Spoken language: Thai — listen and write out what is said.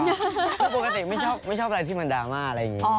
ไม่เอาเปล่าผมปกติไม่ชอบอะไรที่มันดาม่าอะไรอย่างนี้